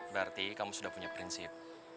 berarti kamu sudah punya prinsip